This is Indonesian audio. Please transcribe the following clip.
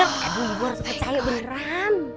aduh gue langsung ngecali beneran